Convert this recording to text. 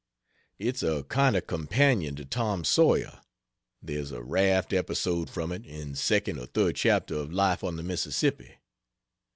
It's a kind of companion to Tom Sawyer. There's a raft episode from it in second or third chapter of life on the Mississippi.....